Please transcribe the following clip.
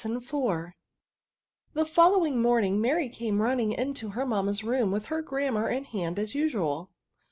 The following morning Mary came nmning into her mamma's Icoom, with her Grammar In her hand as usual.